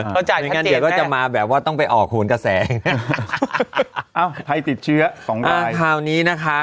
เราจ่ายว่าจะมาแบบว่าต้องไปออกโครงกระแสอ้าวใครติดเชื้อคราวนี้นะคะ